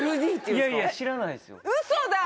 いやいや知らないです嘘だ！